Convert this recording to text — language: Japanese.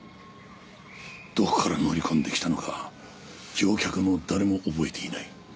どこから乗り込んできたのか乗客の誰も覚えていない。